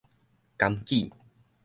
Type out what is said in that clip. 甘杞